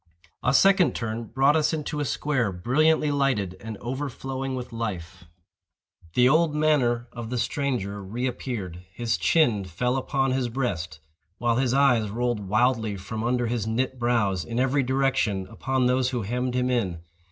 A second turn brought us into a square, brilliantly lighted, and overflowing with life. The old manner of the stranger re appeared. His chin fell upon his breast, while his eyes rolled wildly from under his knit brows, in every direction, upon those who hemmed him in.